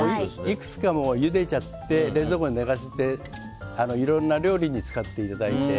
いくつかゆでちゃって冷蔵庫で寝かせていろんな料理に使っていただいて。